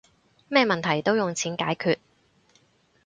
咩問題都用錢解決